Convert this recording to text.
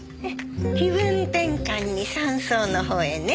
気分転換に山荘のほうへね。